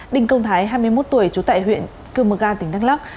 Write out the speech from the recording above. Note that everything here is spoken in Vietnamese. đình công thái hai mươi một tuổi chú tại huyện cương mực an tỉnh đắk lắc